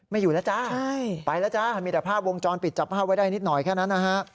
ไม่อยู่แล้วจ้าไปแล้วจ้ามีแต่ภาพวงจรปิดจับภาพไว้ได้นิดหน่อยแค่นั้นนะฮะ